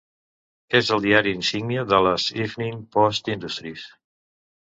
És el diari insígnia de les Evening Post Industries.